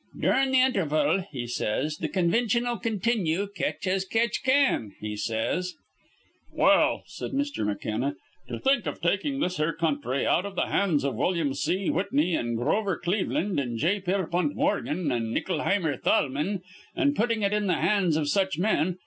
Durin' th' interval,' he says, 'th' convintion'll continue ketch as ketch can,' he says." "Well," said Mr. McKenna, "to think of taking this here country out of the hands of William C. Whitney and Grover Cleveland and J. Pierpont Morgan and Ickleheimer Thalmann, and putting it in the hands of such men.